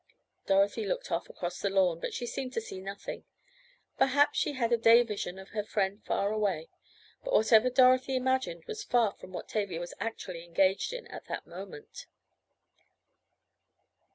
Dorothy looked off across the lawn, but she seemed to see nothing. Perhaps she had a day vision of her friend far away, but whatever Dorothy imagined was far from what Tavia was actually engaged in at that moment.